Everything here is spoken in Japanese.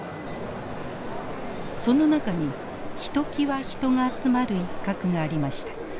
その中にひときわ人が集まる一角がありました。